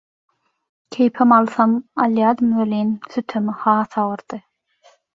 Keýpem alsam alýadym welin, sütemi has agyrdy.